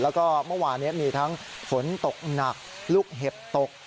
แล้วก็เมื่อวานนี้มีทั้งฝนตกหนักลูกเห็บตก